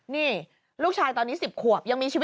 นี่ลูกชายตอนนี้๑๐ครวบยังมีชีวิตที่สุดนะ